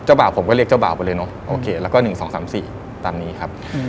บ่าวผมก็เรียกเจ้าบ่าวไปเลยเนอะโอเคแล้วก็๑๒๓๔ตามนี้ครับ